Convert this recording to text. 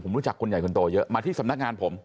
ต้องเรียกคนใหญ่คนโตมาที่สำนักงานผม